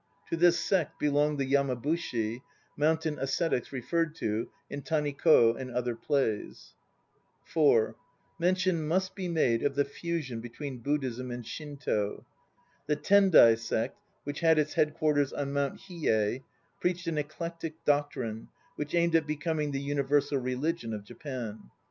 To this sect belonged the Yamabushi, mountain ascetics referred to in Tanikd and other plays. (4) Mention must be made of the fusion between Buddhism and Shinto. The Tendai Sect which had its headquarters on Mount Hiyei preached an eclectic doctrine which aimed at becoming the universal religion of Japan.